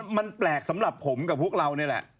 มันแปลกสำหรับผมกับพวกเรานี่แหละ